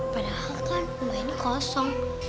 padahal kan bunga ini kosong